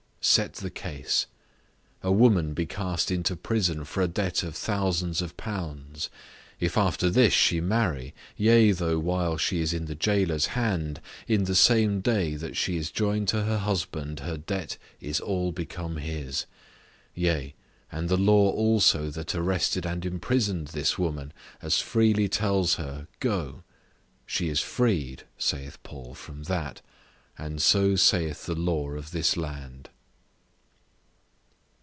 Set the case: A woman be cast into prison for a debt of hundreds of pounds; if after this she marry, yea, though while she is in the jailor's hand, in the same day that she is joined to her husband, her debt is all become his; yea, and the law also that arrested and imprisoned this woman, as freely tells her, go: she is freed, saith Paul, from that; and so saith the law of this land.